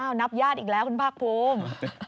นับญาติอีกแล้วคุณภาคภูมิ